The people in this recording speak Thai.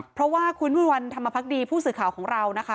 เพราะว่าคุณวิวัลธรรมพักดีผู้สื่อข่าวของเรานะคะ